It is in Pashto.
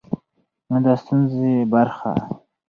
نه د ستونزې برخه.